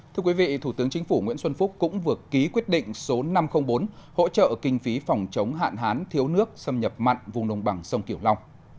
thưa quý vị thủ tướng chính phủ nguyễn xuân phúc cũng vừa ký quyết định số năm trăm linh bốn hỗ trợ kinh phí phòng chống hạn hán thiếu nước xâm nhập mặn vùng nông bằng sông kiểu long